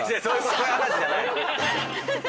そういう話じゃないの。